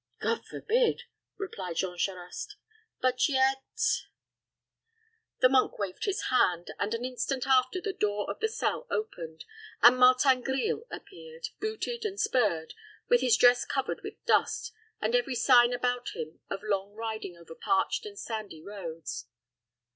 "God forbid," replied Jean Charost. "But yet " The monk waved his hand; and an instant after, the door of the cell opened, and Martin Grille appeared, booted and spurred, with his dress covered with dust, and every sign about him of long riding over parched and sandy roads.